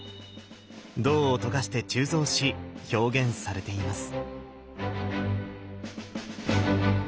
銅を溶かして鋳造し表現されています。